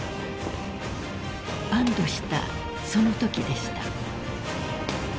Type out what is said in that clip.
［安堵したそのときでした］